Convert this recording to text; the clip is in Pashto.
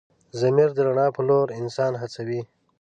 ضمیر د رڼا په لور انسان هڅوي.